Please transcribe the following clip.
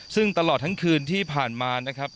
ซึ่งตลอดทั้งคืนที่ผ่านมานะครับ